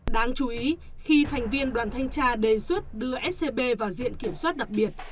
đáng chú ý khi thành viên đoàn thanh tra đề xuất đưa scb vào diện kiểm soát đặc biệt